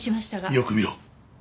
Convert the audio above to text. よく見ろ。